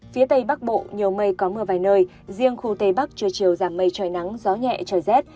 phía tây bắc bộ nhiều mây có mưa vài nơi riêng khu tây bắc chưa chiều giảm mây trời nắng gió nhẹ trời rét